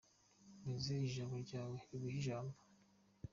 Maze ijabo ryawe riguhe ijambo.